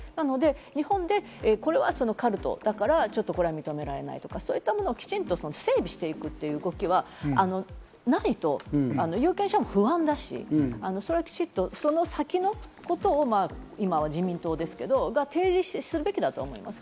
なので日本でこれはカルトだから認められないとか、そういったものをきちんと整備していくという動きはないと有権者も不安だし、それはきちっと先のことを今は自民党が提示すべきだと思います。